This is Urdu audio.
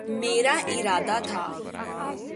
میرا ارادہ تھا